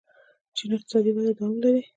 چین اقتصادي وده دوام لري.